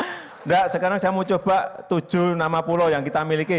tidak sekarang saya mau coba tujuh nama pulau yang kita miliki